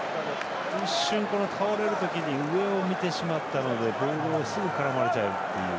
一瞬この倒れる時に上を見てしまったのでボールにすぐ絡まれちゃうという。